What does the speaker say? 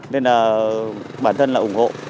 nên là bản thân là ủng hộ